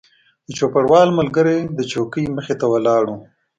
د چوپړوال ملګری د څوکۍ مخې ته ولاړ و.